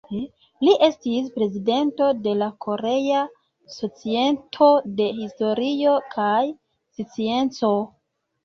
Li estis prezidento de la Korea Societo de Historio kaj Scienco.